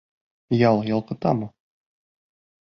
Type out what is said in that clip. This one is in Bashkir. Ял ялҡытамы?